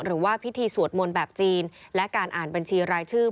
หรือว่าพิธีสวดมนต์แบบจีนและการอ่านบัญชีรายชื่อ